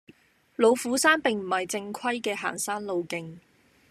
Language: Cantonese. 老虎山並唔係正規嘅行山路徑